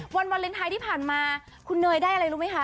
วันวาเลนไทยที่ผ่านมาคุณเนยได้อะไรรู้ไหมคะ